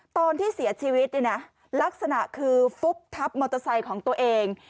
ตอนที่เสียชีวิตเนี่ยนะลักษณะคือฟุบทับมอเตอร์ไซค์ของตัวเอง